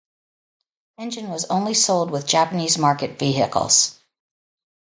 Engine was only sold with Japanese market vehicles.